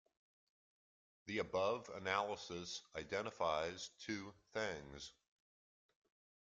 The above analysis identifies two things.